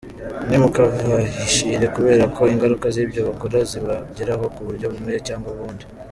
Ntimukabahishire kubera ko ingaruka z’ibyo bakora zibageraho ku buryo bumwe cyangwa ubundi."